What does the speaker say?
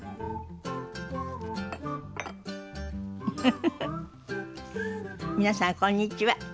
フフフフ皆さんこんにちは。